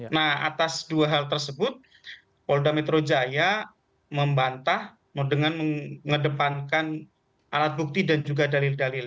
nah atas dua hal tersebut polda metro jaya membantah dengan mengedepankan alat bukti dan juga dalil dalil